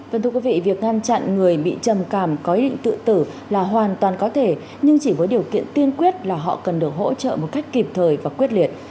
vâng thưa quý vị việc ngăn chặn người bị trầm cảm có ý định tự tử là hoàn toàn có thể nhưng chỉ với điều kiện tiên quyết là họ cần được hỗ trợ một cách kịp thời và quyết liệt